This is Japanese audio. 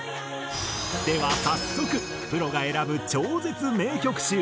では早速プロが選ぶ超絶名曲集。